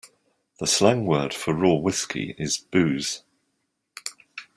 The slang word for raw whiskey is booze.